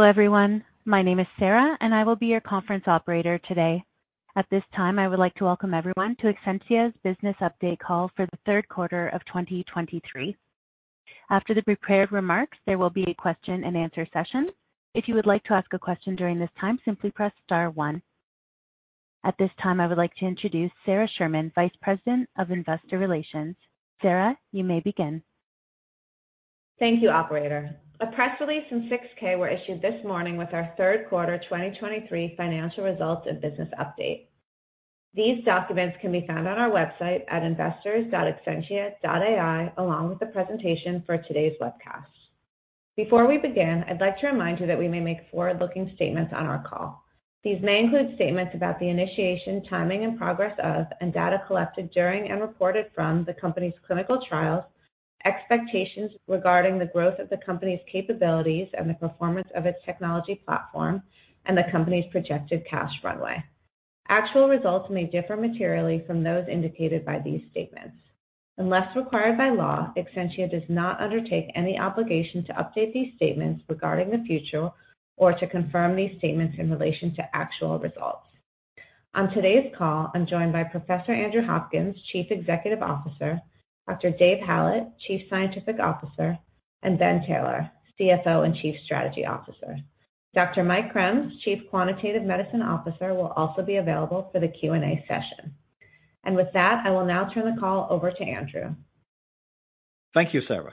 Hello, everyone. My name is Sarah, and I will be your conference operator today. At this time, I would like to welcome everyone to Exscientia's Business Update Call for the third quarter of 2023. After the prepared remarks, there will be a question-and-answer session. If you would like to ask a question during this time, simply press star one. At this time, I would like to introduce Sara Sherman, Vice President of Investor Relations. Sara, you may begin. Thank you, operator. A press release and 6-K were issued this morning with our third quarter 2023 financial results and business update. These documents can be found on our website at investors.exscientia.ai, along with the presentation for today's webcast. Before we begin, I'd like to remind you that we may make forward-looking statements on our call. These may include statements about the initiation, timing, and progress of, and data collected during and reported from the company's clinical trials, expectations regarding the growth of the company's capabilities and the performance of its technology platform, and the company's projected cash runway. Actual results may differ materially from those indicated by these statements. Unless required by law, Exscientia does not undertake any obligation to update these statements regarding the future or to confirm these statements in relation to actual results. On today's call, I'm joined by Professor Andrew Hopkins, Chief Executive Officer, Dr. Dave Hallett, Chief Scientific Officer, and Ben Taylor, CFO and Chief Strategy Officer. Dr. Mike Krams, Chief Quantitative Medicine Officer, will also be available for the Q&A session. With that, I will now turn the call over to Andrew. Thank you, Sara.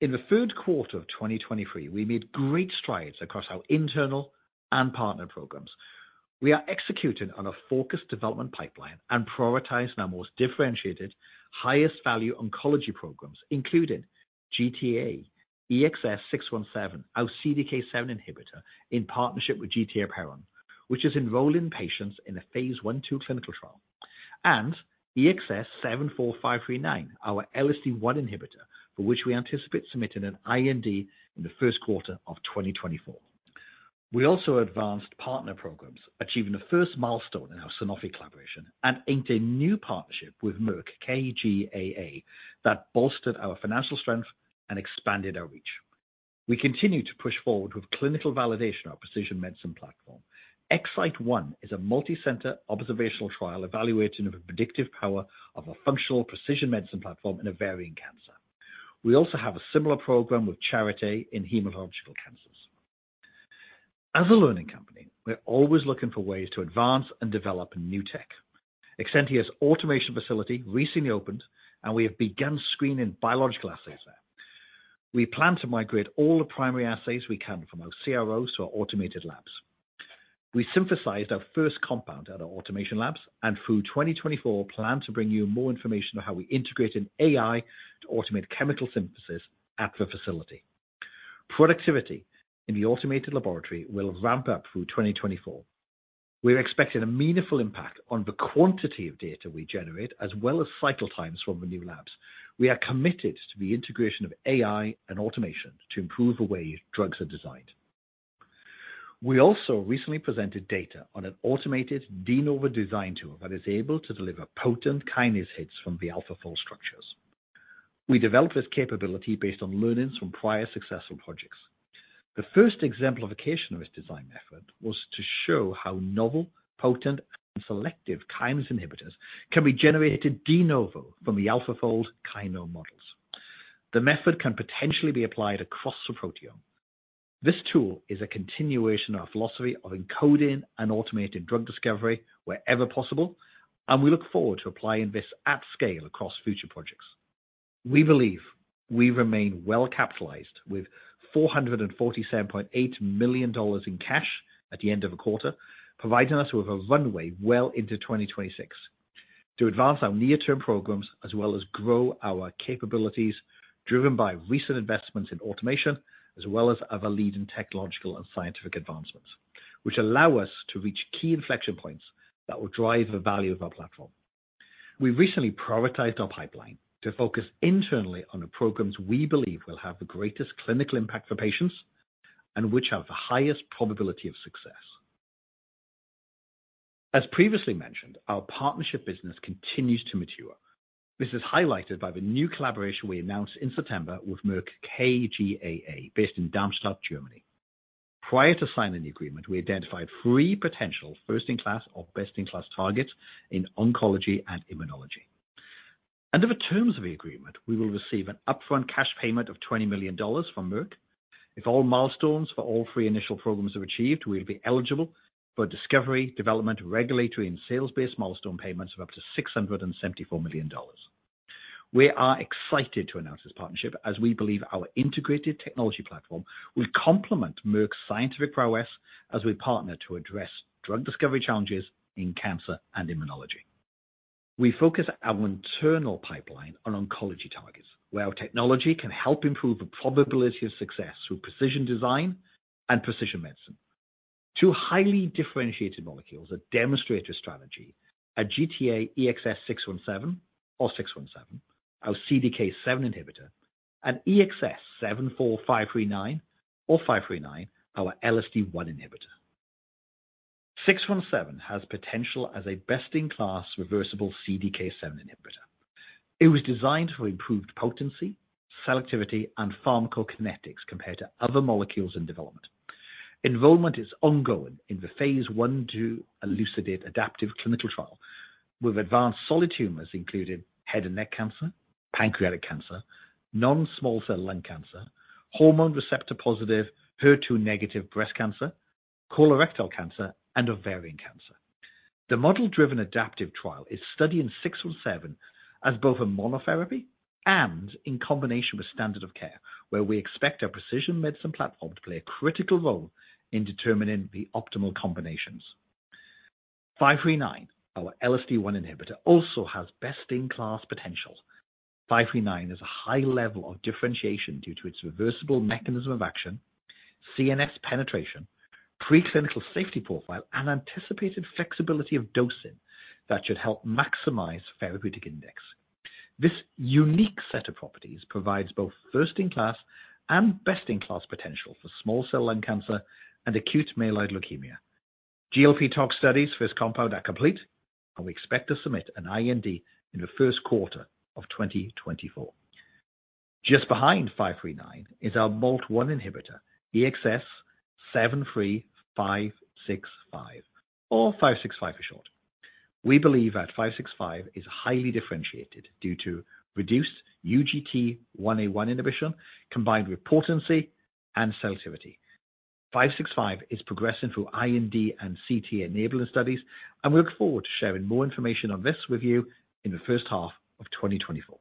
In the third quarter of 2023, we made great strides across our internal and partner programs. We are executing on a focused development pipeline and prioritizing our most differentiated, highest value oncology programs, including GTAEXS617, our CDK7 inhibitor in partnership with GT Apeiron, which is enrolling patients in a phase 1/2 clinical trial, and EXS74539, our LSD1 inhibitor, for which we anticipate submitting an IND in the first quarter of 2024. We also advanced partner programs, achieving the first milestone in our Sanofi collaboration, and inked a new partnership with Merck KGaA that bolstered our financial strength and expanded our reach. We continue to push forward with clinical validation of our precision medicine platform. EXCYTE-1 is a multicenter observational trial evaluating the predictive power of a functional precision medicine platform in ovarian cancer. We also have a similar program with Charité in hematological cancers. As a learning company, we're always looking for ways to advance and develop new tech. Exscientia's automation facility recently opened, and we have begun screening biological assays there. We plan to migrate all the primary assays we can from our CROs to our automated labs. We synthesized our first compound at our automation labs, and through 2024, plan to bring you more information on how we integrated AI to automate chemical synthesis at the facility. Productivity in the automated laboratory will ramp up through 2024. We're expecting a meaningful impact on the quantity of data we generate, as well as cycle times from the new labs. We are committed to the integration of AI and automation to improve the way drugs are designed. We also recently presented data on an automated de novo design tool that is able to deliver potent kinase hits from the AlphaFold structures. We developed this capability based on learnings from prior successful projects. The first exemplification of this design method was to show how novel, potent, and selective kinase inhibitors can be generated de novo from the AlphaFold kinome models. The method can potentially be applied across the proteome. This tool is a continuation of our philosophy of encoding and automating drug discovery wherever possible, and we look forward to applying this at scale across future projects. We believe we remain well-capitalized with $447.8 million in cash at the end of the quarter, providing us with a runway well into 2026 to advance our near-term programs, as well as grow our capabilities, driven by recent investments in automation, as well as other leading technological and scientific advancements, which allow us to reach key inflection points that will drive the value of our platform. We recently prioritized our pipeline to focus internally on the programs we believe will have the greatest clinical impact for patients and which have the highest probability of success. As previously mentioned, our partnership business continues to mature. This is highlighted by the new collaboration we announced in September with Merck KGaA, based in Darmstadt, Germany. Prior to signing the agreement, we identified three potential first-in-class or best-in-class targets in oncology and immunology. Under the terms of the agreement, we will receive an upfront cash payment of $20 million from Merck. If all milestones for all three initial programs are achieved, we'll be eligible for discovery, development, regulatory, and sales-based milestone payments of up to $674 million. We are excited to announce this partnership, as we believe our integrated technology platform will complement Merck's scientific prowess as we partner to address drug discovery challenges in cancer and immunology. We focus our internal pipeline on oncology targets, where our technology can help improve the probability of success through precision design and precision medicine. Two highly differentiated molecules that demonstrate this strategy are GTAEXS617 or 617, our CDK7 inhibitor, and EXS74539 or 539, our LSD1 inhibitor.... 617 has potential as a best-in-class reversible CDK7 inhibitor. It was designed for improved potency, selectivity, and pharmacokinetics compared to other molecules in development. Enrollment is ongoing in the Phase 1/2 ELUCIDATE adaptive clinical trial, with advanced solid tumors including head and neck cancer, pancreatic cancer, non-small cell lung cancer, hormone receptor-positive, HER2-negative breast cancer, colorectal cancer, and ovarian cancer. The model-driven adaptive trial is studying 617 as both a monotherapy and in combination with standard of care, where we expect our precision medicine platform to play a critical role in determining the optimal combinations. 539, our LSD1 inhibitor, also has best-in-class potential. 539 has a high level of differentiation due to its reversible mechanism of action, CNS penetration, preclinical safety profile, and anticipated flexibility of dosing that should help maximize therapeutic index. This unique set of properties provides both first-in-class and best-in-class potential for small cell lung cancer and acute myeloid leukemia. GLP tox studies for this compound are complete, and we expect to submit an IND in the first quarter of 2024. Just behind 539 is our MALT1 inhibitor, EXS73565, or 565 for short. We believe that 565 is highly differentiated due to reduced UGT1A1 inhibition, combined with potency and selectivity. 565 is progressing through IND and CT enabling studies, and we look forward to sharing more information on this with you in the first half of 2024.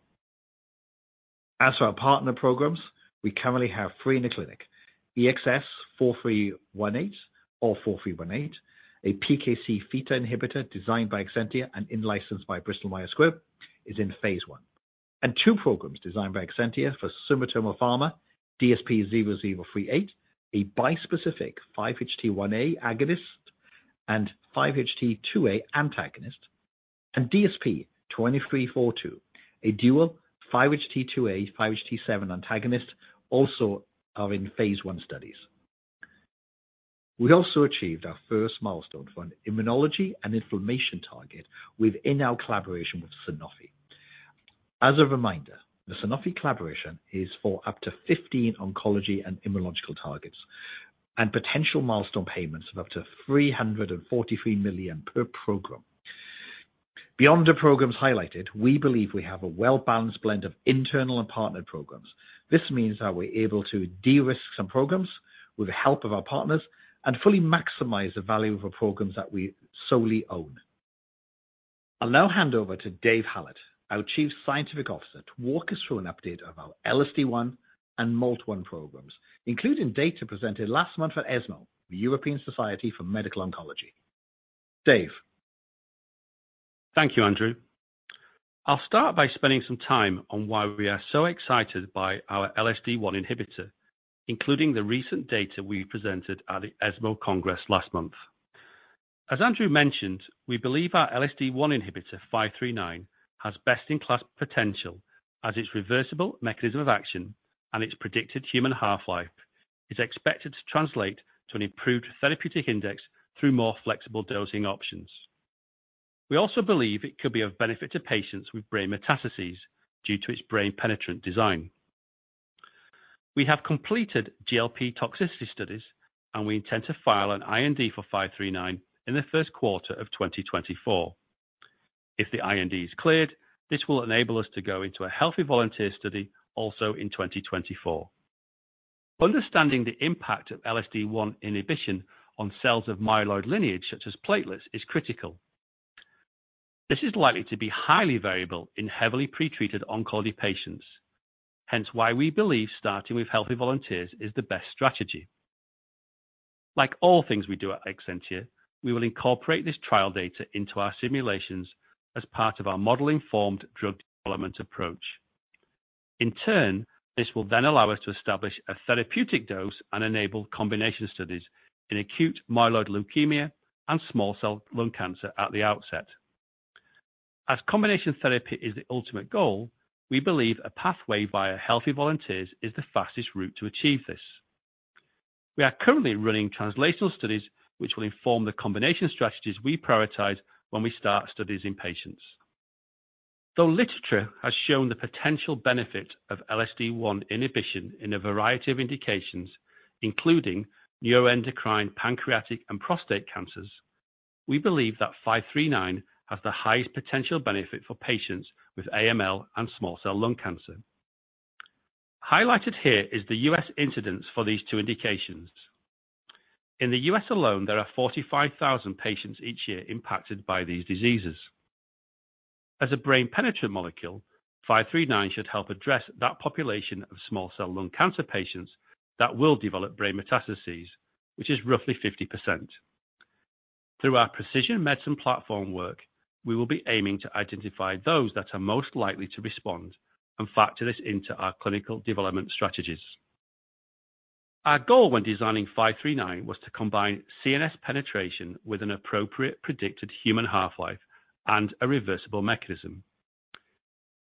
As for our partner programs, we currently have three in the clinic. EXS4318 or 4318, a PKC theta inhibitor designed by Exscientia and in-licensed by Bristol Myers Squibb, is in phase 1. Two programs designed by Exscientia for Sumitomo Pharma, DSP-0038, a bispecific 5-HT1A agonist and 5-HT2A antagonist, and DSP-2342, a dual 5-HT2A/5-HT7 antagonist, also are in phase 1 studies. We also achieved our first milestone for an immunology and inflammation target within our collaboration with Sanofi. As a reminder, the Sanofi collaboration is for up to 15 oncology and immunology targets, and potential milestone payments of up to $343 million per program. Beyond the programs highlighted, we believe we have a well-balanced blend of internal and partnered programs. This means that we're able to de-risk some programs with the help of our partners and fully maximize the value of the programs that we solely own. I'll now hand over to Dave Hallett, our Chief Scientific Officer, to walk us through an update of our LSD1 and MALT1 programs, including data presented last month at ESMO, the European Society for Medical Oncology. Dave? Thank you, Andrew. I'll start by spending some time on why we are so excited by our LSD1 inhibitor, including the recent data we presented at the ESMO Congress last month. As Andrew mentioned, we believe our LSD1 inhibitor, EXS74539, has best-in-class potential as its reversible mechanism of action, and its predicted human half-life is expected to translate to an improved therapeutic index through more flexible dosing options. We also believe it could be of benefit to patients with brain metastases due to its brain-penetrant design. We have completed GLP toxicity studies, and we intend to file an IND for EXS74539 in the first quarter of 2024. If the IND is cleared, this will enable us to go into a healthy volunteer study also in 2024. Understanding the impact of LSD1 inhibition on cells of myeloid lineage, such as platelets, is critical. This is likely to be highly variable in heavily pretreated oncology patients, hence why we believe starting with healthy volunteers is the best strategy. Like all things we do at Exscientia, we will incorporate this trial data into our simulations as part of our model-informed drug development approach. In turn, this will then allow us to establish a therapeutic dose and enable combination studies in Acute Myeloid Leukemia and Small Cell Lung Cancer at the outset. As combination therapy is the ultimate goal, we believe a pathway via healthy volunteers is the fastest route to achieve this. We are currently running translational studies, which will inform the combination strategies we prioritize when we start studies in patients. Though literature has shown the potential benefit of LSD1 inhibition in a variety of indications, including neuroendocrine, pancreatic, and prostate cancers, we believe that 539 has the highest potential benefit for patients with AML and small cell lung cancer. Highlighted here is the U.S. incidence for these two indications. In the U.S. alone, there are 45,000 patients each year impacted by these diseases. As a brain penetrant molecule, 539 should help address that population of small cell lung cancer patients that will develop brain metastases, which is roughly 50%. Through our precision medicine platform work, we will be aiming to identify those that are most likely to respond and factor this into our clinical development strategies. Our goal when designing 539 was to combine CNS penetration with an appropriate predicted human half-life and a reversible mechanism.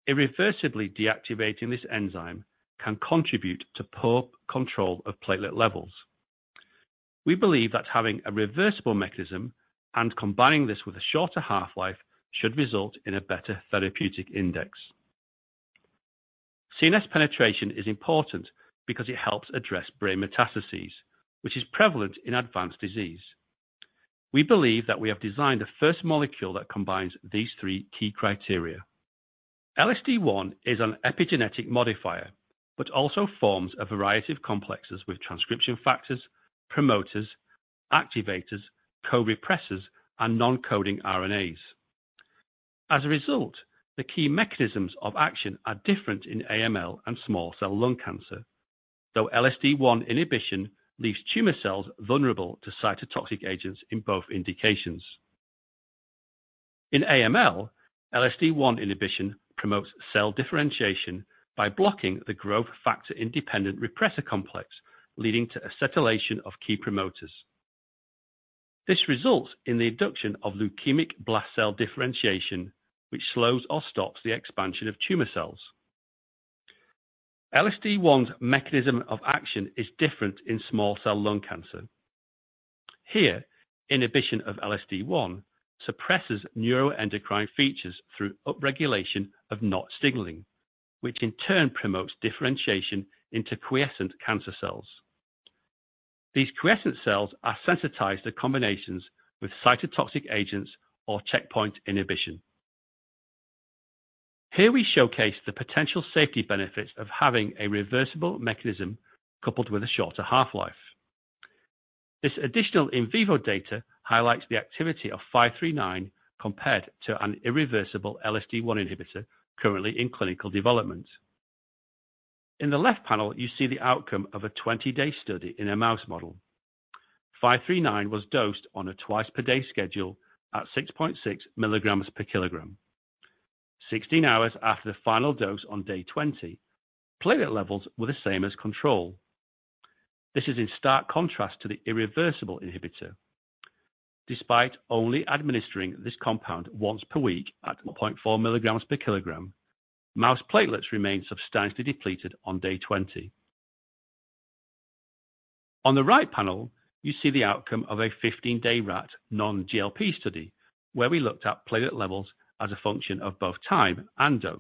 Irreversibly deactivating this enzyme can contribute to poor control of platelet levels. We believe that having a reversible mechanism and combining this with a shorter half-life should result in a better therapeutic index. CNS penetration is important because it helps address brain metastases, which is prevalent in advanced disease. We believe that we have designed the first molecule that combines these three key criteria. LSD1 is an epigenetic modifier, but also forms a variety of complexes with transcription factors, promoters, activators, co-repressors, and non-coding RNAs. As a result, the key mechanisms of action are different in AML and small cell lung cancer, though LSD1 inhibition leaves tumor cells vulnerable to cytotoxic agents in both indications. In AML, LSD1 inhibition promotes cell differentiation by blocking the growth factor-independent repressor complex, leading to acetylation of key promoters. This results in the induction of leukemic blast cell differentiation, which slows or stops the expansion of tumor cells. LSD1's mechanism of action is different in small cell lung cancer. Here, inhibition of LSD1 suppresses neuroendocrine features through upregulation of NOTCH signaling, which in turn promotes differentiation into quiescent cancer cells. These quiescent cells are sensitized to combinations with cytotoxic agents or checkpoint inhibition. Here, we showcase the potential safety benefits of having a reversible mechanism coupled with a shorter half-life. This additional in vivo data highlights the activity of 539 compared to an irreversible LSD1 inhibitor currently in clinical development. In the left panel, you see the outcome of a 20-day study in a mouse model. 539 was dosed on a twice-per-day schedule at 6.6 mg/kg. 16 hours after the final dose on day 20, platelet levels were the same as control. This is in stark contrast to the irreversible inhibitor. Despite only administering this compound once per week at 0.4 mg/kg, mouse platelets remained substantially depleted on day 20. On the right panel, you see the outcome of a 15-day rat non-GLP study, where we looked at platelet levels as a function of both time and dose.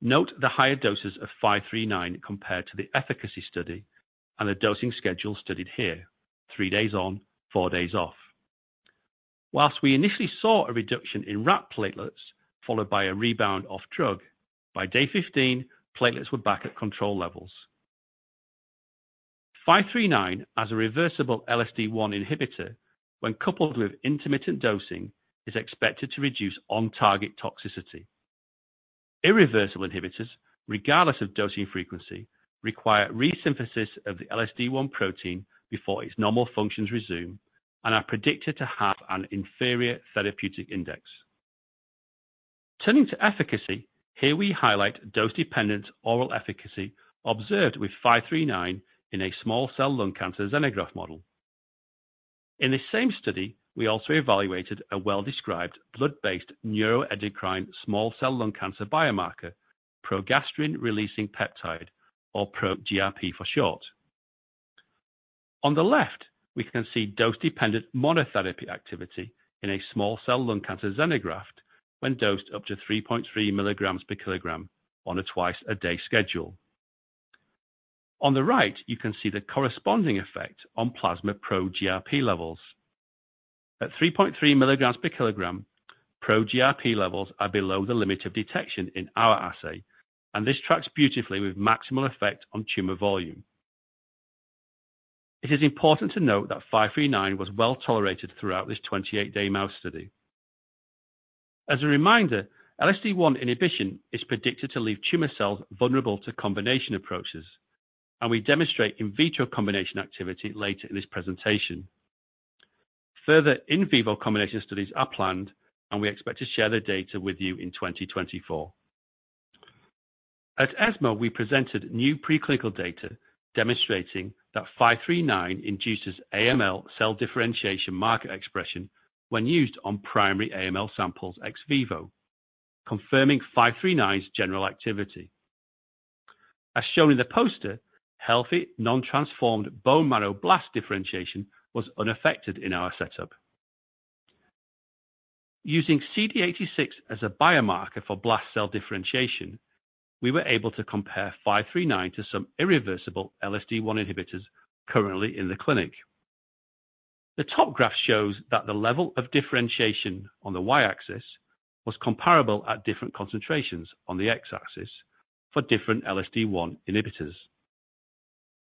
Note the higher doses of 539 compared to the efficacy study and the dosing schedule studied here, three days on, four days off. While we initially saw a reduction in rat platelets followed by a rebound off drug, by day 15, platelets were back at control levels. 539 as a reversible LSD1 inhibitor, when coupled with intermittent dosing, is expected to reduce on-target toxicity. Irreversible inhibitors, regardless of dosing frequency, require resynthesis of the LSD1 protein before its normal functions resume and are predicted to have an inferior therapeutic index. Turning to efficacy, here we highlight dose-dependent oral efficacy observed with EXS74539 in a small cell lung cancer xenograft model. In this same study, we also evaluated a well-described blood-based neuroendocrine small cell lung cancer biomarker, progastrin-releasing peptide, or ProGRP for short. On the left, we can see dose-dependent monotherapy activity in a small cell lung cancer xenograft when dosed up to 3.3 mg/kg on a twice-a-day schedule. On the right, you can see the corresponding effect on plasma ProGRP levels. At 3.3 mg/kg, ProGRP levels are below the limit of detection in our assay, and this tracks beautifully with maximal effect on tumor volume. It is important to note that EXS74539 was well-tolerated throughout this 28-day mouse study. As a reminder, LSD1 inhibition is predicted to leave tumor cells vulnerable to combination approaches, and we demonstrate in vitro combination activity later in this presentation. Further in vivo combination studies are planned, and we expect to share the data with you in 2024. At ESMO, we presented new preclinical data demonstrating that EXS74539 induces AML cell differentiation marker expression when used on primary AML samples ex vivo, confirming EXS74539's general activity. As shown in the poster, healthy, non-transformed bone marrow blast differentiation was unaffected in our setup. Using CD86 as a biomarker for blast cell differentiation, we were able to compare EXS74539 to some irreversible LSD1 inhibitors currently in the clinic. The top graph shows that the level of differentiation on the Y-axis was comparable at different concentrations on the X-axis for different LSD1 inhibitors.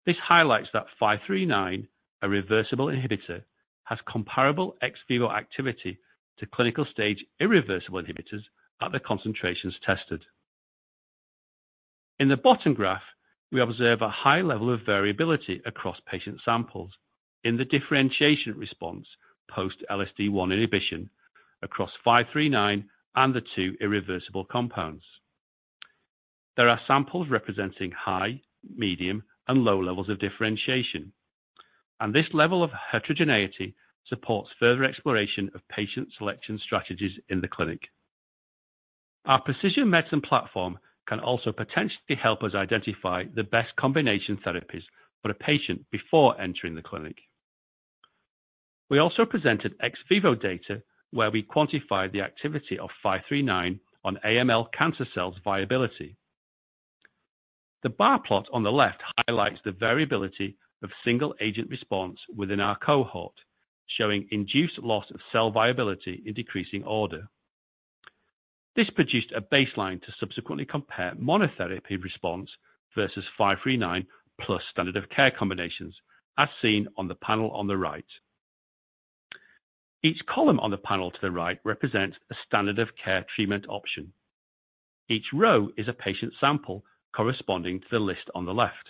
This highlights that EXS74539, a reversible inhibitor, has comparable ex vivo activity to clinical stage irreversible inhibitors at the concentrations tested. In the bottom graph, we observe a high level of variability across patient samples in the differentiation response post LSD1 inhibition across EXS74539 and the two irreversible compounds. There are samples representing high, medium, and low levels of differentiation, and this level of heterogeneity supports further exploration of patient selection strategies in the clinic. Our precision medicine platform can also potentially help us identify the best combination therapies for a patient before entering the clinic. We also presented ex vivo data, where we quantified the activity of EXS74539 on AML cancer cells viability. The bar plot on the left highlights the variability of single agent response within our cohort, showing induced loss of cell viability in decreasing order. This produced a baseline to subsequently compare monotherapy response versus 539 plus standard of care combinations, as seen on the panel on the right. Each column on the panel to the right represents a standard of care treatment option. Each row is a patient sample corresponding to the list on the left.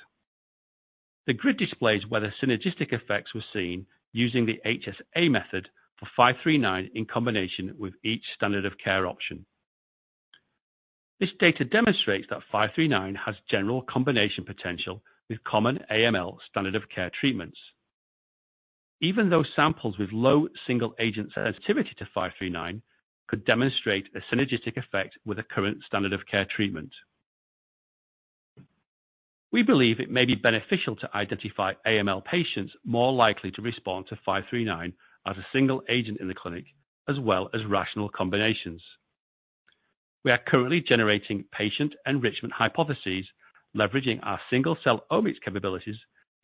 The grid displays whether synergistic effects were seen using the HSA method for 539 in combination with each standard of care option. This data demonstrates that 539 has general combination potential with common AML standard of care treatments. Even though samples with low single agent sensitivity to 539 could demonstrate a synergistic effect with a current standard of care treatment. We believe it may be beneficial to identify AML patients more likely to respond to 539 as a single agent in the clinic, as well as rational combinations. We are currently generating patient enrichment hypotheses, leveraging our single-cell omics capabilities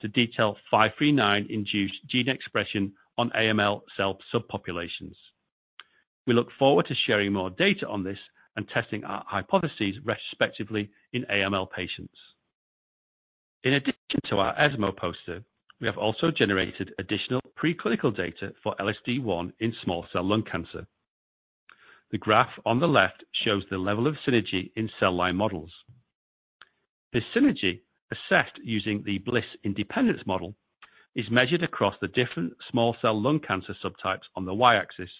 to detail 539-induced gene expression on AML cell subpopulations. We look forward to sharing more data on this and testing our hypotheses retrospectively in AML patients. In addition to our ESMO poster, we have also generated additional preclinical data for LSD1 in small-cell lung cancer. The graph on the left shows the level of synergy in cell line models. This synergy, assessed using the Bliss Independence Model, is measured across the different small cell lung cancer subtypes on the Y-axis,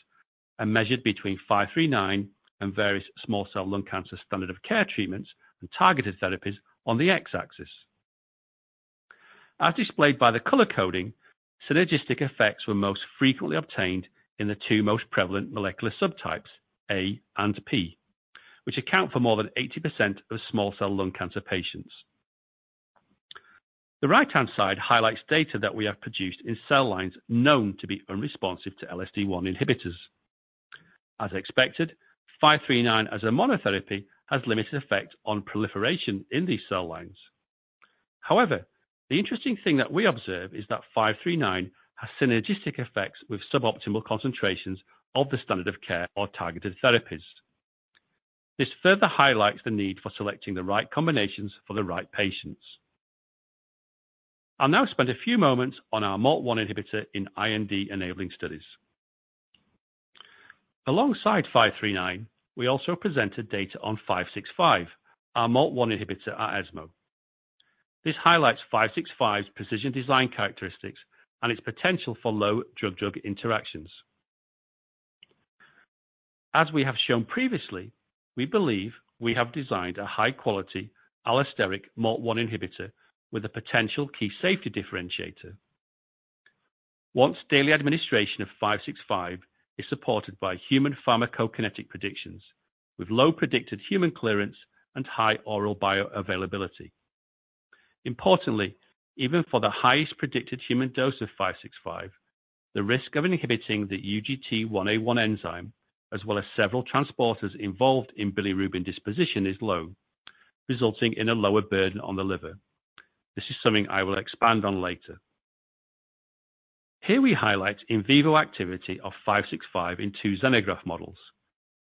and measured between 539 and various small cell lung cancer standard of care treatments and targeted therapies on the X-axis. As displayed by the color coding, synergistic effects were most frequently obtained in the two most prevalent molecular subtypes, A and P, which account for more than 80% of small cell lung cancer patients. The right-hand side highlights data that we have produced in cell lines known to be unresponsive to LSD1 inhibitors. As expected, 539 as a monotherapy has limited effect on proliferation in these cell lines. However, the interesting thing that we observe is that 539 has synergistic effects with suboptimal concentrations of the standard of care or targeted therapies. This further highlights the need for selecting the right combinations for the right patients. I'll now spend a few moments on our MALT1 inhibitor in IND-enabling studies. Alongside 539, we also presented data on 565, our MALT1 inhibitor, at ESMO. This highlights EXS73565's precision design characteristics and its potential for low drug-drug interactions. As we have shown previously, we believe we have designed a high-quality allosteric MALT1 inhibitor with a potential key safety differentiator. Once-daily administration of EXS73565 is supported by human pharmacokinetic predictions, with low predicted human clearance and high oral bioavailability. Importantly, even for the highest predicted human dose of EXS73565, the risk of inhibiting the UGT1A1 enzyme, as well as several transporters involved in bilirubin disposition, is low, resulting in a lower burden on the liver. This is something I will expand on later. Here, we highlight in vivo activity of EXS73565 in two xenograft models,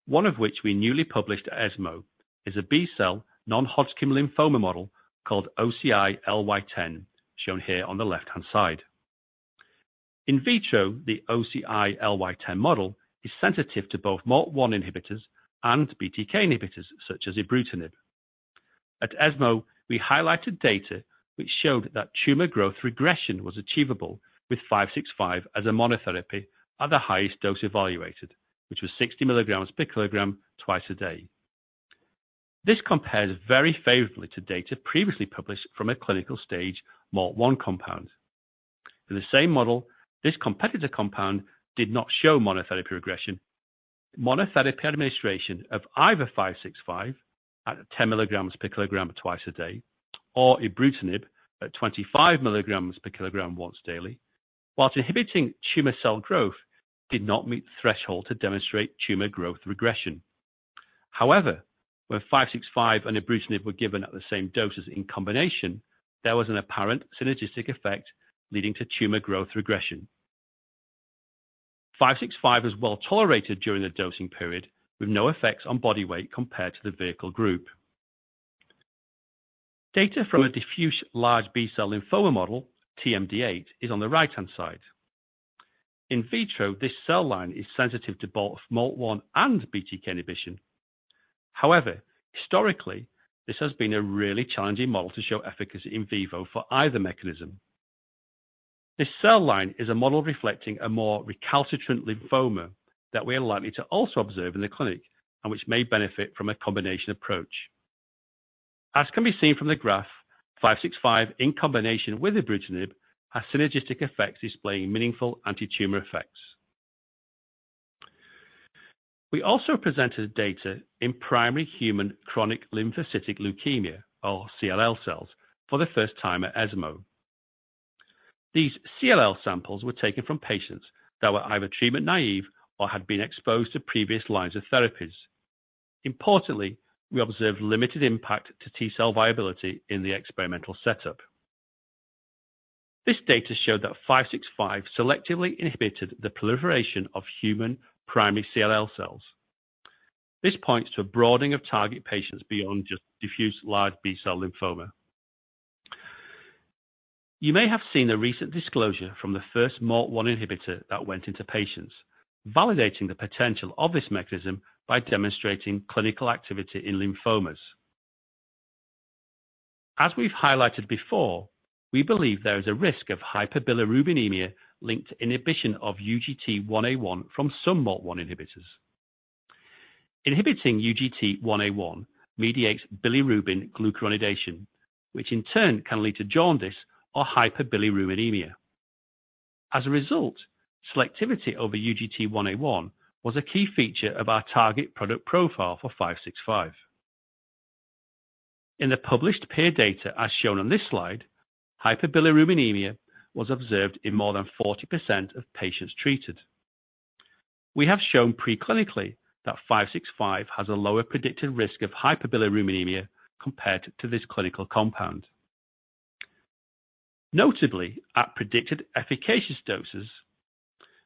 one of which we newly published at ESMO, is a B-cell non-Hodgkin lymphoma model called OCI-Ly10, shown here on the left-hand side. In vitro, the OCI-Ly10 model is sensitive to both MALT1 inhibitors and BTK inhibitors, such as Ibrutinib. At ESMO, we highlighted data which showed that tumor growth regression was achievable with EXS73565 as a monotherapy at the highest dose evaluated, which was 60 mg/kg twice a day. This compares very favorably to data previously published from a clinical stage MALT1 compound. In the same model, this competitor compound did not show monotherapy regression. Monotherapy administration of either EXS73565 at 10 mg/kg twice a day, or Ibrutinib at 25 mg/kg once daily, while inhibiting tumor cell growth, did not meet the threshold to demonstrate tumor growth regression. However, where EXS73565 and Ibrutinib were given at the same dose as in combination, there was an apparent synergistic effect leading to tumor growth regression. EXS73565 was well tolerated during the dosing period, with no effects on body weight compared to the vehicle group. Data from a diffuse large B-cell lymphoma model, TMD8, is on the right-hand side. In vitro, this cell line is sensitive to both MALT1 and BTK inhibition. However, historically, this has been a really challenging model to show efficacy in vivo for either mechanism. This cell line is a model reflecting a more recalcitrant lymphoma that we are likely to also observe in the clinic, and which may benefit from a combination approach. As can be seen from the graph, EXS73565, in combination with ibrutinib, has synergistic effects displaying meaningful anti-tumor effects. We also presented data in primary human chronic lymphocytic leukemia, or CLL cells, for the first time at ESMO. These CLL samples were taken from patients that were either treatment naive or had been exposed to previous lines of therapies. Importantly, we observed limited impact to T-cell viability in the experimental setup. This data showed that EXS73565 selectively inhibited the proliferation of human primary CLL cells. This points to a broadening of target patients beyond just diffuse large B-cell lymphoma. You may have seen a recent disclosure from the first MALT1 inhibitor that went into patients, validating the potential of this mechanism by demonstrating clinical activity in lymphomas. As we've highlighted before, we believe there is a risk of hyperbilirubinemia linked to inhibition of UGT1A1 from some MALT1 inhibitors. Inhibiting UGT1A1 mediates bilirubin glucuronidation, which in turn can lead to jaundice or hyperbilirubinemia. As a result, selectivity over UGT1A1 was a key feature of our target product profile for EXS73565. In the published peer data, as shown on this slide, hyperbilirubinemia was observed in more than 40% of patients treated. We have shown preclinically that EXS73565 has a lower predicted risk of hyperbilirubinemia compared to this clinical compound. Notably, at predicted efficacious doses,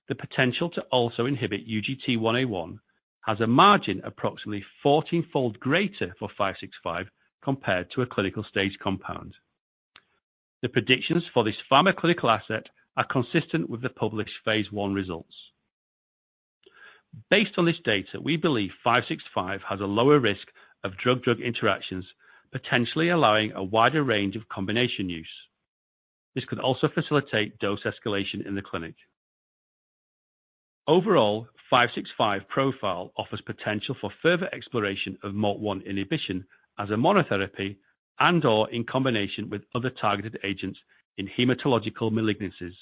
the potential to also inhibit UGT1A1 has a margin approximately 14-fold greater for EXS73565 compared to a clinical stage compound. The predictions for this pharmacological asset are consistent with the published phase 1 results. Based on this data, we believe EXS73565 has a lower risk of drug-drug interactions, potentially allowing a wider range of combination use. This could also facilitate dose escalation in the clinic. Overall, 565 profile offers potential for further exploration of MALT1 inhibition as a monotherapy and/or in combination with other targeted agents in hematological malignancies,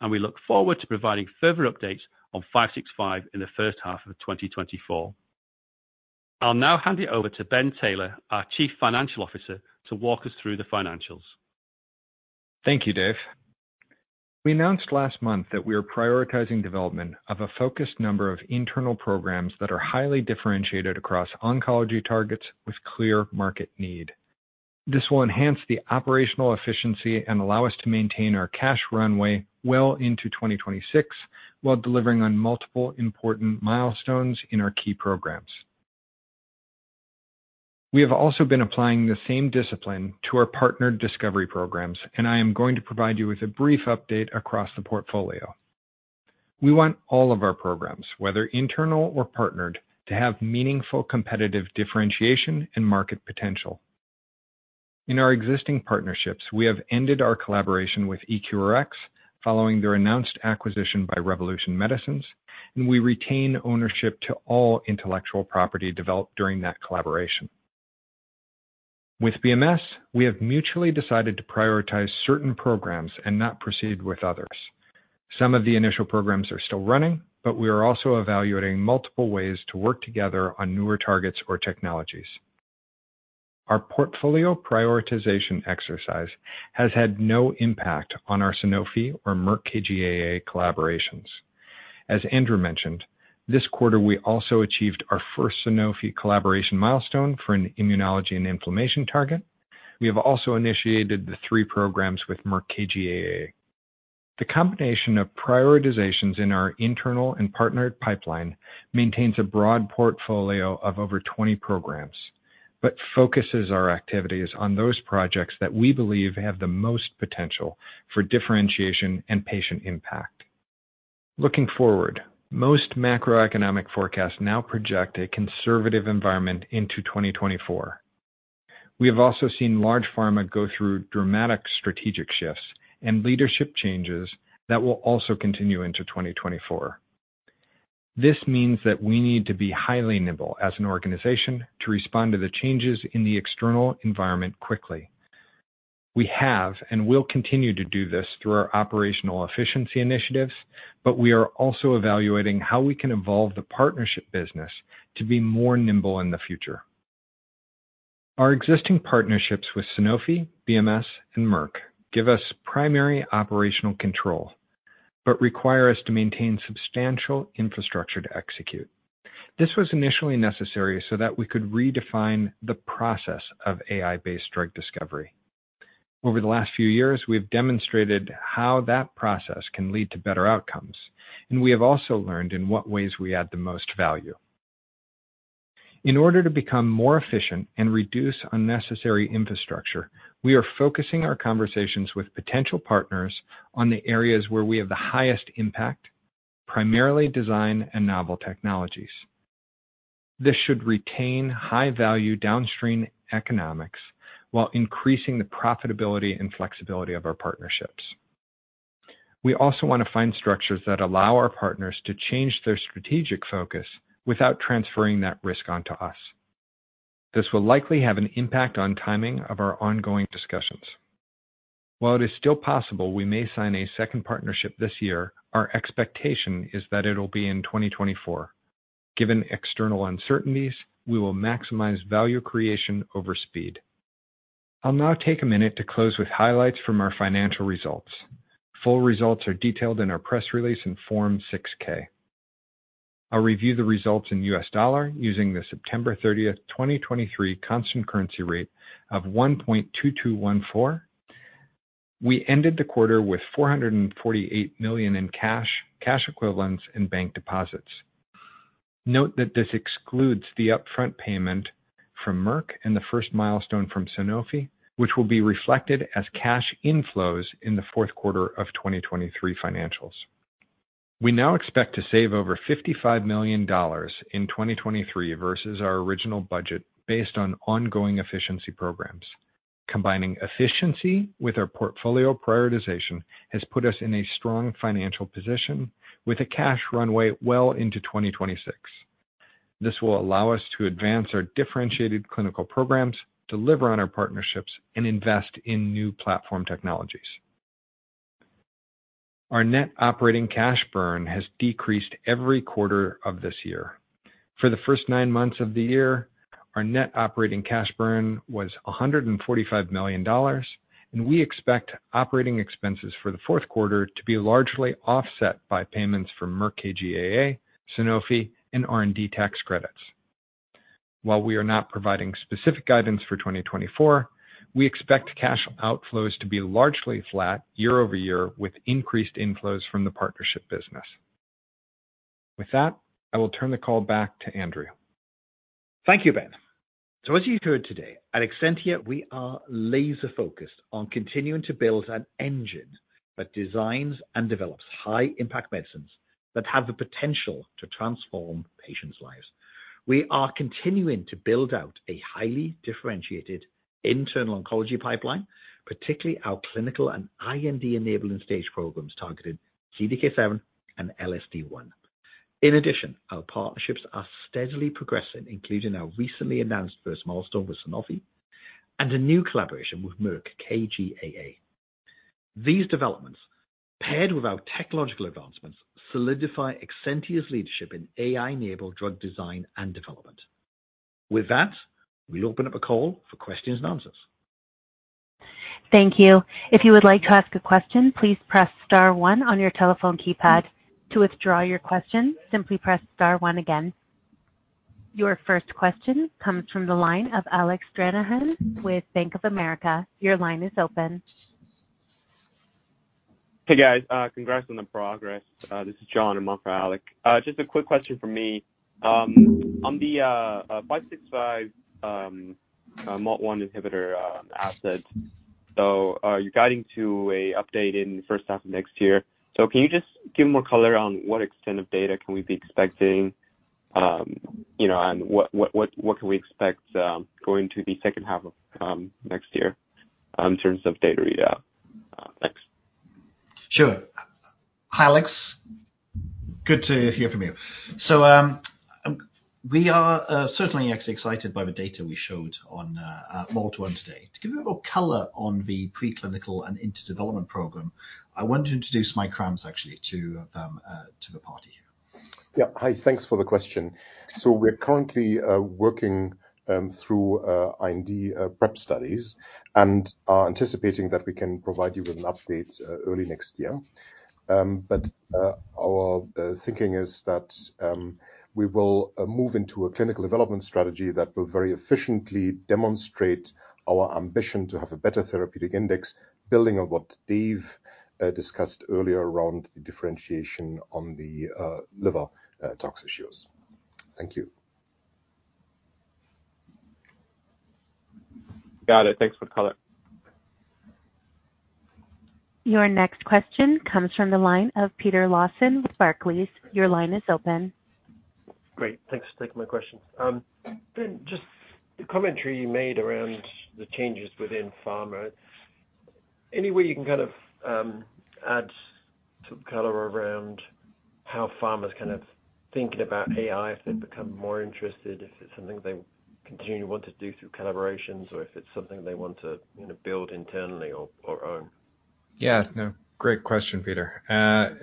and we look forward to providing further updates on 565 in the first half of 2024. I'll now hand it over to Ben Taylor, our Chief Financial Officer, to walk us through the financials. Thank you, Dave. We announced last month that we are prioritizing development of a focused number of internal programs that are highly differentiated across oncology targets with clear market need. This will enhance the operational efficiency and allow us to maintain our cash runway well into 2026, while delivering on multiple important milestones in our key programs. We have also been applying the same discipline to our partnered discovery programs, and I am going to provide you with a brief update across the portfolio. We want all of our programs, whether internal or partnered, to have meaningful competitive differentiation and market potential. In our existing partnerships, we have ended our collaboration with EQRx, following their announced acquisition by Revolution Medicines, and we retain ownership to all intellectual property developed during that collaboration. With BMS, we have mutually decided to prioritize certain programs and not proceed with others. Some of the initial programs are still running, but we are also evaluating multiple ways to work together on newer targets or technologies. Our portfolio prioritization exercise has had no impact on our Sanofi or Merck KGaA collaborations. As Andrew mentioned, this quarter we also achieved our first Sanofi collaboration milestone for an immunology and inflammation target. We have also initiated the three programs with Merck KGaA. The combination of prioritizations in our internal and partnered pipeline maintains a broad portfolio of over 20 programs, but focuses our activities on those projects that we believe have the most potential for differentiation and patient impact. Looking forward, most macroeconomic forecasts now project a conservative environment into 2024. We have also seen large pharma go through dramatic strategic shifts and leadership changes that will also continue into 2024. This means that we need to be highly nimble as an organization to respond to the changes in the external environment quickly. We have, and will continue to do this through our operational efficiency initiatives, but we are also evaluating how we can evolve the partnership business to be more nimble in the future. Our existing partnerships with Sanofi, BMS, and Merck give us primary operational control, but require us to maintain substantial infrastructure to execute. This was initially necessary so that we could redefine the process of AI-based drug discovery. Over the last few years, we've demonstrated how that process can lead to better outcomes, and we have also learned in what ways we add the most value. In order to become more efficient and reduce unnecessary infrastructure, we are focusing our conversations with potential partners on the areas where we have the highest impact, primarily design and novel technologies. This should retain high-value downstream economics while increasing the profitability and flexibility of our partnerships. We also want to find structures that allow our partners to change their strategic focus without transferring that risk onto us. This will likely have an impact on timing of our ongoing discussions. While it is still possible we may sign a second partnership this year, our expectation is that it'll be in 2024. Given external uncertainties, we will maximize value creation over speed. I'll now take a minute to close with highlights from our financial results. Full results are detailed in our press release in Form 6-K. I'll review the results in U.S. dollar using the September 30, 2023, constant currency rate of 1.2214. We ended the quarter with $448 million in cash, cash equivalents, and bank deposits. Note that this excludes the upfront payment from Merck and the first milestone from Sanofi, which will be reflected as cash inflows in the fourth quarter of 2023 financials. We now expect to save over $55 million in 2023 versus our original budget, based on ongoing efficiency programs. Combining efficiency with our portfolio prioritization has put us in a strong financial position with a cash runway well into 2026. This will allow us to advance our differentiated clinical programs, deliver on our partnerships, and invest in new platform technologies. Our net operating cash burn has decreased every quarter of this year. For the first 9 months of the year, our net operating cash burn was $145 million, and we expect operating expenses for the fourth quarter to be largely offset by payments from Merck KGaA, Sanofi, and R&D tax credits. While we are not providing specific guidance for 2024, we expect cash outflows to be largely flat year-over-year, with increased inflows from the partnership business. With that, I will turn the call back to Andrew. Thank you, Ben. So as you heard today, at Exscientia, we are laser-focused on continuing to build an engine that designs and develops high-impact medicines that have the potential to transform patients' lives. We are continuing to build out a highly differentiated internal oncology pipeline, particularly our clinical and IND-enabling stage programs targeting CDK7 and LSD1. In addition, our partnerships are steadily progressing, including our recently announced first milestone with Sanofi and a new collaboration with Merck KGaA. These developments, paired with our technological advancements, solidify Exscientia's leadership in AI-enabled drug design and development. With that, we open up a call for questions and answers. Thank you. If you would like to ask a question, please press star one on your telephone keypad. To withdraw your question, simply press star one again. Your first question comes from the line of Alec Stranahan with Bank of America. Your line is open. Hey, guys. Congrats on the progress. This is John. I'm on for Alec. Just a quick question from me. On the 565 MALT1 inhibitor asset. So, you're guiding to an update in the first half of next year. So can you just give more color on what extent of data can we be expecting? You know, and what can we expect going to the second half of next year in terms of data read out? Thanks. Sure. Hi, Alec. Good to hear from you. So, we are certainly excited by the data we showed on MALT1 today. To give you more color on the preclinical and IND development program, I want to introduce Mike Krams, actually, to the party here. Yeah. Hi. Thanks for the question. So we're currently working through IND prep studies and are anticipating that we can provide you with an update early next year. But our thinking is that we will move into a clinical development strategy that will very efficiently demonstrate our ambition to have a better therapeutic index, building on what Dave discussed earlier around the differentiation on the liver tox issues. Thank you. Got it. Thanks for the color. Your next question comes from the line of Peter Lawson with Barclays. Your line is open. Great. Thanks for taking my question. Just the commentary you made around the changes within pharma, any way you can kind of add some color around how pharma is kind of thinking about AI, if they've become more interested, if it's something they continue to want to do through collaborations, or if it's something they want to, you know, build internally or, or own? Yeah. No, great question, Peter.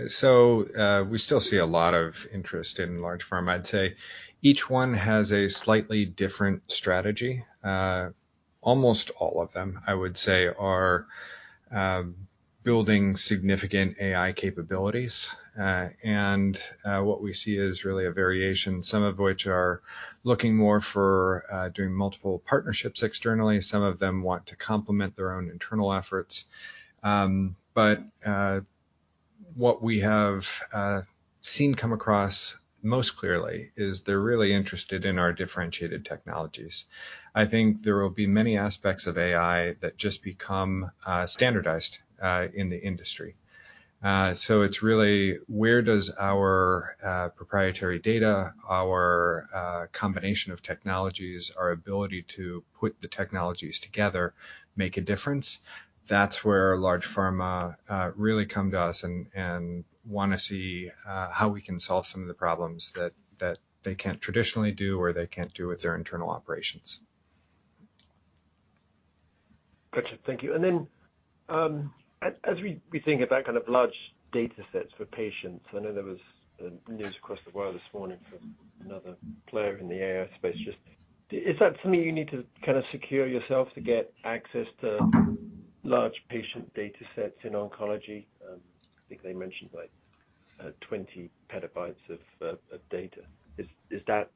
So, we still see a lot of interest in large pharma. I'd say each one has a slightly different strategy. Almost all of them, I would say, are building significant AI capabilities. And what we see is really a variation, some of which are looking more for doing multiple partnerships externally. Some of them want to complement their own internal efforts. Butwhat we have seen come across most clearly is they're really interested in our differentiated technologies. I think there will be many aspects of AI that just become standardized in the industry. So it's really where does our proprietary data, our combination of technologies, our ability to put the technologies together, make a difference? That's where large pharma really come to us and want to see how we can solve some of the problems that they can't traditionally do, or they can't do with their internal operations. Gotcha. Thank you. And then, as we think of that kind of large data sets for patients, I know there was news across the world this morning from another player in the AI space. Just, is that something you need to kind of secure yourself to get access to large patient data sets in oncology? I think they mentioned, like, 20 PB of data. Is that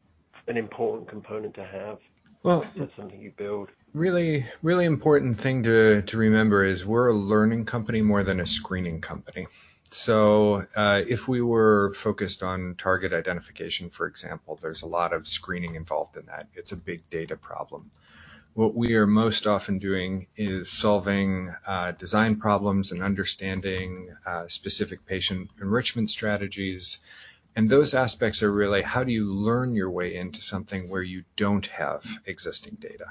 an important component to have? Well- Is that something you build? Really, really important thing to remember is we're a learning company more than a screening company. So, if we were focused on target identification, for example, there's a lot of screening involved in that. It's a big data problem. What we are most often doing is solving design problems and understanding specific patient enrichment strategies. And those aspects are really how do you learn your way into something where you don't have existing data?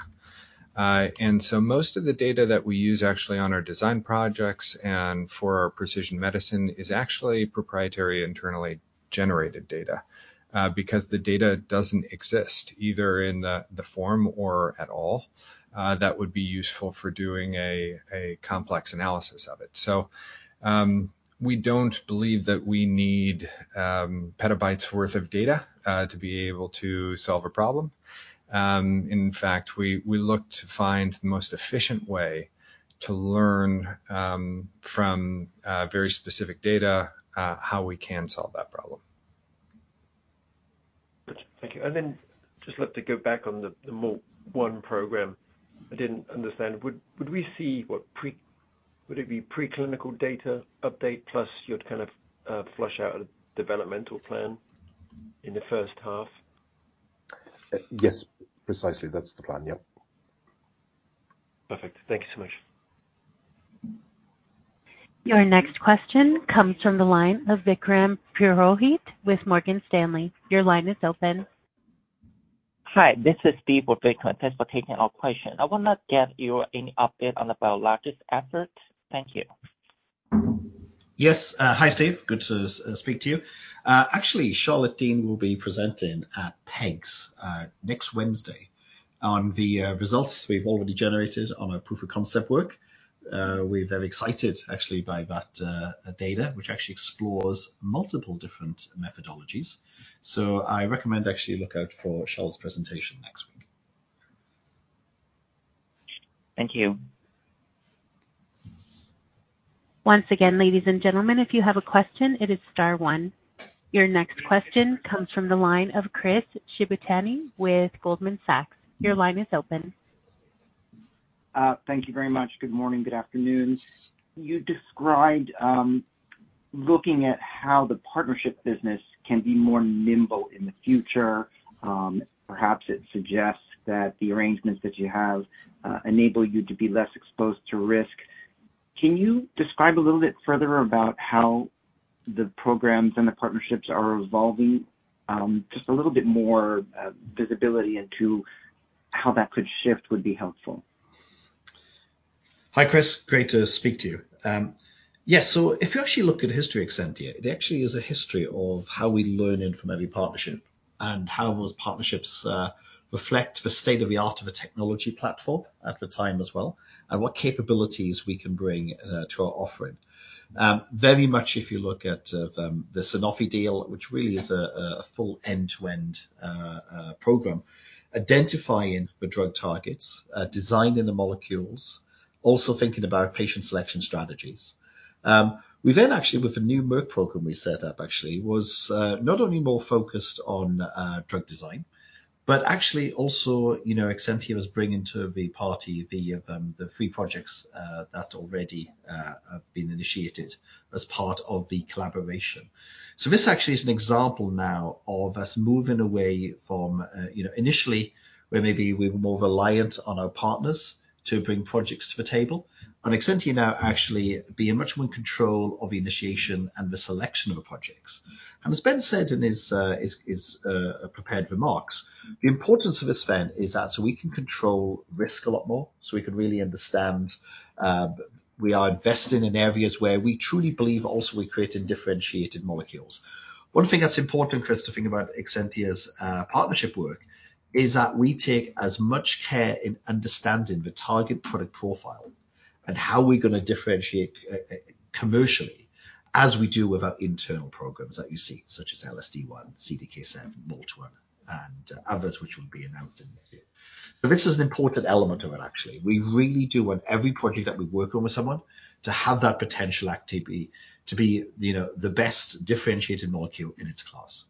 And so most of the data that we use actually on our design projects and for our precision medicine is actually proprietary, internally generated data. Because the data doesn't exist, either in the form or at all, that would be useful for doing a complex analysis of it. So, we don't believe that we need petabytes worth of data to be able to solve a problem. In fact, we look to find the most efficient way to learn from very specific data how we can solve that problem. Gotcha. Thank you. And then just look to go back on the MALT1 program. I didn't understand. Would it be preclinical data update, plus you'd kind of flush out a developmental plan in the first half? Yes. Precisely, that's the plan. Yep. Perfect. Thank you so much. Your next question comes from the line of Vikram Purohit with Morgan Stanley. Your line is open. Hi, this is Steve with Vikram. Thanks for taking our question. I want to get you any update on the biologics effort. Thank you. Yes, hi, Steve. Good to speak to you. Actually, Charlotte Deane will be presenting at PEGS next Wednesday on the results we've already generated on our proof of concept work. We're very excited actually by that data, which actually explores multiple different methodologies. So I recommend actually look out for Charlotte's presentation next week. Thank you. Once again, ladies and gentlemen, if you have a question, it is star one. Your next question comes from the line of Chris Shibutani with Goldman Sachs. Your line is open. Thank you very much. Good morning, good afternoon. You described looking at how the partnership business can be more nimble in the future. Perhaps it suggests that the arrangements that you have enable you to be less exposed to risk. Can you describe a little bit further about how the programs and the partnerships are evolving? Just a little bit more visibility into how that could shift would be helpful. Hi, Chris. Great to speak to you. Yes. So if you actually look at the history of Exscientia, it actually is a history of how we learn from every partnership and how those partnerships reflect the state-of-the-art of a technology platform at the time, as well, and what capabilities we can bring to our offering. Very much if you look at the Sanofi deal, which really is a full end-to-end program, identifying the drug targets, designing the molecules, also thinking about patient selection strategies. We then actually, with the new Merck program we set up, actually was not only more focused on drug design, but actually also, you know, Exscientia was bringing to the party the three projects that already have been initiated as part of the collaboration. So this actually is an example now of us moving away from, you know, initially, where maybe we were more reliant on our partners to bring projects to the table. On Exscientia now, actually, be much more in control of the initiation and the selection of the projects. And as Ben said in his, his, prepared remarks, the importance of this, Ben, is that so we can control risk a lot more, so we can really understand, we are investing in areas where we truly believe also we're creating differentiated molecules. One thing that's important, Chris, to think about Exscientia's partnership work is that we take as much care in understanding the target product profile and how we're going to differentiate commercially, as we do with our internal programs that you see, such as LSD1, CDK7, MALT1, and others, which will be announced in the near future. So this is an important element of it, actually. We really do want every project that we work on with someone to have that potential activity, to be, you know, the best differentiated molecule in its class.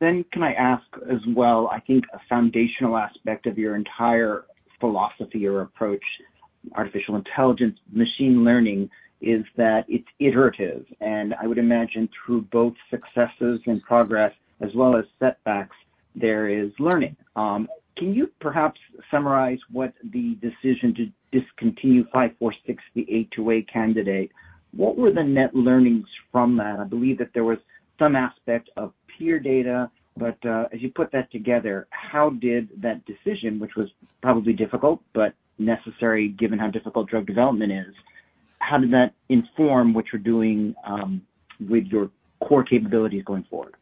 Then can I ask as well, I think a foundational aspect of your entire philosophy or approach, artificial intelligence, machine learning, is that it's iterative, and I would imagine through both successes and progress as well as setbacks, there is learning. Can you perhaps summarize what the decision to discontinue 546, the A2A candidate, what were the net learnings from that? I believe that there was some aspect of peer data, but, as you put that together, how did that decision, which was probably difficult but necessary, given how difficult drug development is, how did that inform what you're doing, with your core capabilities going forward?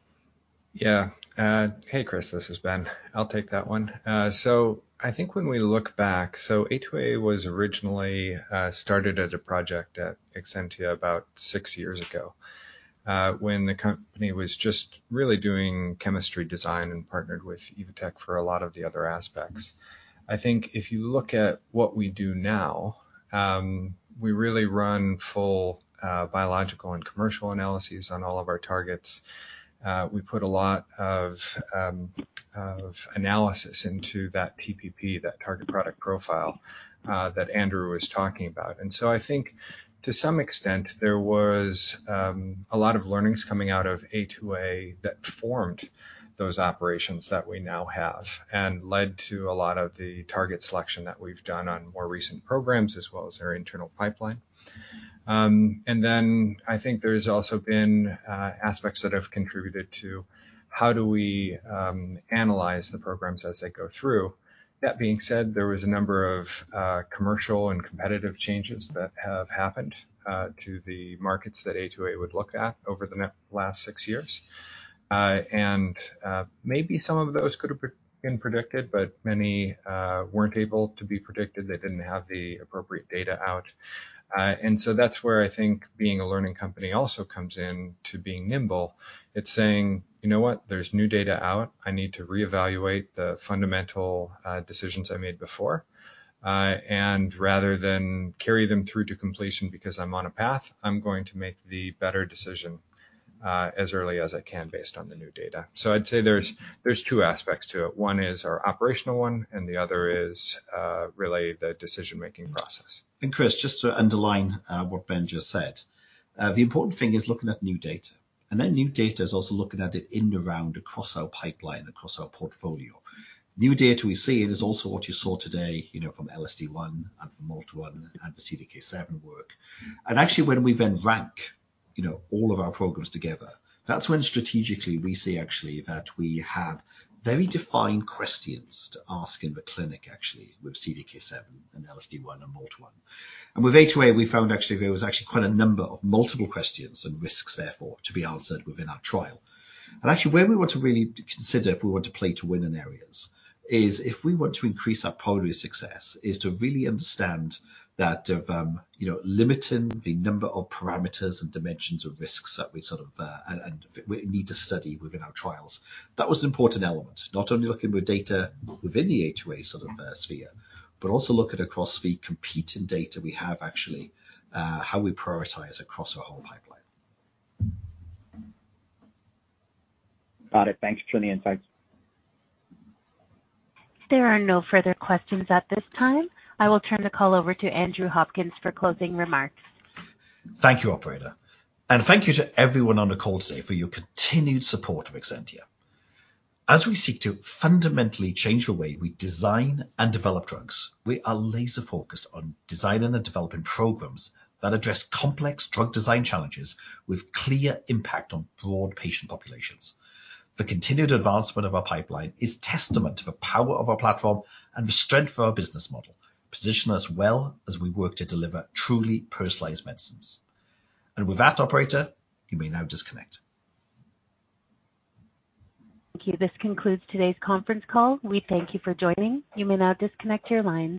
Yeah. Hey, Chris, this is Ben. I'll take that one. So I think when we look back, so A2A was originally started as a project at Exscientia about six years ago, when the company was just really doing chemistry design and partnered with Evotec for a lot of the other aspects. I think if you look at what we do now, we really run full biological and commercial analyses on all of our targets. We put a lot of analysis into that TPP, that target product profile, that Andrew was talking about. So I think to some extent, there was a lot of learnings coming out of A2A that formed those operations that we now have and led to a lot of the target selection that we've done on more recent programs, as well as our internal pipeline. Then I think there's also been aspects that have contributed to how do we analyze the programs as they go through. That being said, there was a number of commercial and competitive changes that have happened to the markets that A2A would look at over the last six years. Maybe some of those could have been predicted, but many weren't able to be predicted. They didn't have the appropriate data out. And so that's where I think being a learning company also comes in to being nimble. It's saying, "You know what? There's new data out. I need to reevaluate the fundamental decisions I made before, and rather than carry them through to completion because I'm on a path, I'm going to make the better decision as early as I can, based on the new data." So I'd say there's two aspects to it. One is our operational one, and the other is really the decision-making process. Chris, just to underline what Ben just said, the important thing is looking at new data, and then new data is also looking at it in the round, across our pipeline, across our portfolio. New data we see is also what you saw today, you know, from LSD1 and from MALT1, and the CDK7 work. Actually, when we then rank, you know, all of our programs together, that's when strategically we see actually that we have very defined questions to ask in the clinic, actually, with CDK7 and LSD1 and MALT1. With A2A, we found actually there was actually quite a number of multiple questions and risks, therefore, to be answered within our trial. And actually, where we want to really consider if we want to play to win in areas is if we want to increase our probability of success, is to really understand that of, you know, limiting the number of parameters and dimensions of risks that we sort of, and we need to study within our trials. That was an important element, not only looking with data within the A2A sort of, sphere, but also looking across the competing data we have, actually, how we prioritize across our whole pipeline. Got it. Thanks for the insights. There are no further questions at this time. I will turn the call over to Andrew Hopkins for closing remarks. Thank you, operator, and thank you to everyone on the call today for your continued support of Exscientia. As we seek to fundamentally change the way we design and develop drugs, we are laser-focused on designing and developing programs that address complex drug design challenges with clear impact on broad patient populations. The continued advancement of our pipeline is testament to the power of our platform and the strength of our business model, position us well as we work to deliver truly personalized medicines. With that, operator, you may now disconnect. Thank you. This concludes today's conference call. We thank you for joining. You may now disconnect your lines.